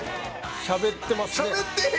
しゃべってますね。